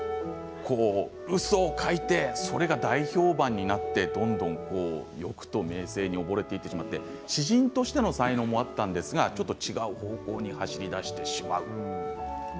うそを書いてそれが大評判になってどんどん欲と名声に溺れてしまって詩人としての才能もあったんですがちょっと違う方向に走りだしてしまう。